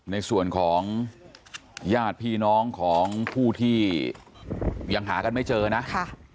ในส่วนของญาติพี่น้องของผู้ที่ยังหากันไม่เจอนะค่ะ